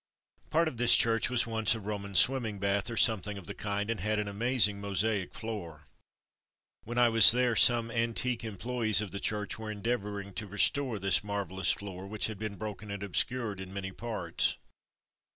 Part of this church was once a Roman swimming bath or something of the kind, and had an amazing mozaic floor. When I was there some antique employees of the church were endeavouring to restore this marvellous floor which had been broken and obscured in many parts.